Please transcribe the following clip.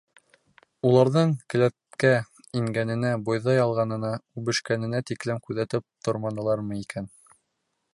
Уларҙың келәткә ингәненә, бойҙай алғанына, үбешкәненә тиклем күҙәтеп торманылармы икән?